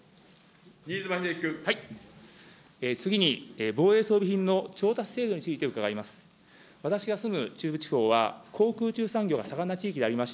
次に、防衛装備品の調達制度について伺います。